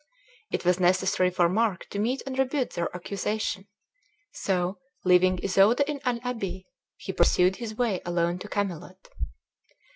It was necessary for Mark to meet and rebut their accusation; so, leaving Isoude in an abbey, he pursued his way alone to Camelot.